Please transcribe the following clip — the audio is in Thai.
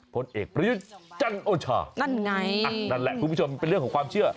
ผลเอกประยุทธ์จันโอชานั่นไงอ่ะนั่นแหละคุณผู้ชมเป็นเรื่องของความเชื่อ